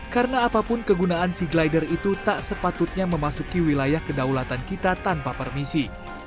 karena apapun kegunaan sea glider itu tak sepatutnya memasuki wilayah kedaulatan kita tanpa permisi